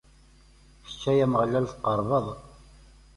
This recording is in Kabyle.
Kečč, ay Ameɣlal tqerrbeḍ!